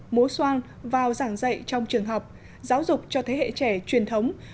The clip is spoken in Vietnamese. mối soan vào giảng dạy trong trường học giáo dục cho thế hệ trẻ truyền thống